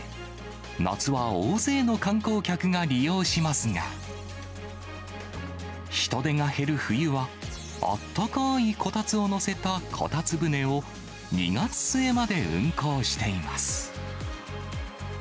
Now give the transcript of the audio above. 夏は大勢の観光客が利用しますが、人出が減る冬はあったかーいこたつを載せたこたつ舟を、２月末まで運航しています。